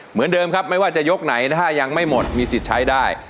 เหมือนเดิมครับไม่ว่าจะยกไหนนะฮะยังไม่หมดมีสิทธิ์ใช้ได้